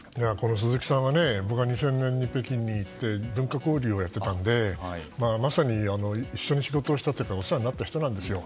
鈴木さんは２０００年に北京に行って文化交流をやっていたのでまさに一緒に仕事をしたというかお世話になった人なんですよ。